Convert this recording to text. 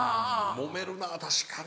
もめるな確かに。